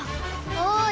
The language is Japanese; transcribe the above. おい。